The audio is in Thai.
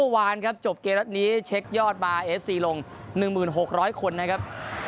วันครับจบเกมละนี้เช็คยอดมาเอฟซีลงหนึ่งหมื่นหกร้อยคนนะครับ